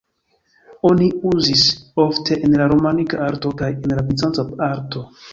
Oni uzis ofte en la romanika arto kaj en la bizanca arto.